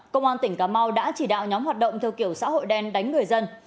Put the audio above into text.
công an tỉnh cà mau đã chỉ đạo nhóm hoạt động theo kiểu xã hội đen đánh người dân